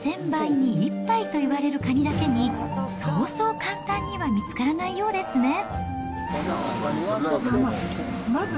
２０００杯に１杯といわれるカニだけに、そうそう簡単には見つからないようですね。